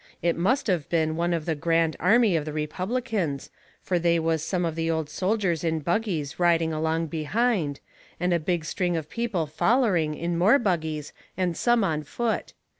It must of been one of the Grand Army of the Republicans, fur they was some of the old soldiers in buggies riding along behind, and a big string of people follering in more buggies and some on foot.